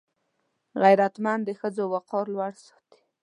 غیرتمند د ښځو وقار لوړ ساتي